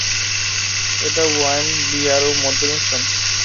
এটা wine, beer ও মদের মিশ্রণ।